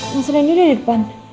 mas randy udah di depan